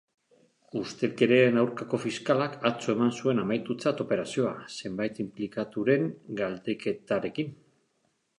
Ustelkeriaren aurkako fiskalak atzo eman zuen amaitutzat operazioa, zenbait inplikaturen galdeketarekin.